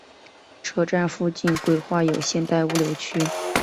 车站附近规划有现代物流区。